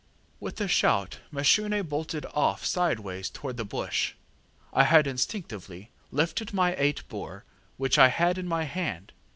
ŌĆØ ŌĆ£With a shout Mashune bolted off sideways towards the bush. I had instinctively lifted my eight bore, which I had in my hand.